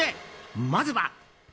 まずは。